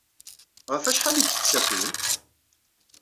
Ɣef wacḥal ay d-tettakim?